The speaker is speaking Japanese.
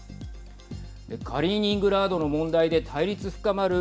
カリーニングラードの問題で対立深まる